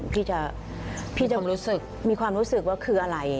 พี่จะมีความรู้สึกว่าคืออะไร